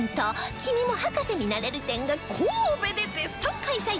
「君も博士になれる展」が神戸で絶賛開催中